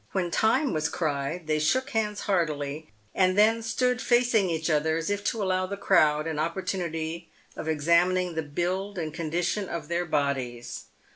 When time was cried they shook hands heartily, and then stood facing each other as if to allow the crowd an opportunity of examining the build and condition of their bodies.